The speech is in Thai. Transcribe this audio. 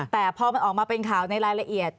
แต่พอมันออกมาเป็นข่าวในรายละเอียด